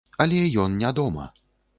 Але ён не дома.